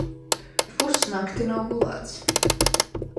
Pus nakti nav gulēts.